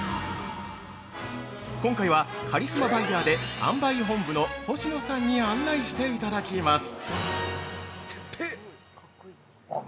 今回は、カリスマバイヤーで販売本部の星野さんに案内していただきます。